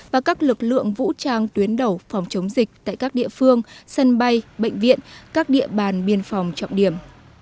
và các lực lượng vũ trang tuyến đầu phòng chống dịch tại các địa phương sân bay bệnh viện các địa bàn biên phòng trọng điểm